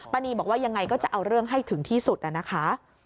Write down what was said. นีบอกว่ายังไงก็จะเอาเรื่องให้ถึงที่สุดนะคะ